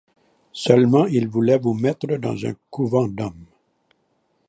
Seulement il voulait vous mettre dans un couvent d'hommes.